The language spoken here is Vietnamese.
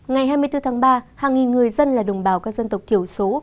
ngày hai mươi bốn tháng ba hàng nghìn người dân là đồng bào các dân tộc thiểu số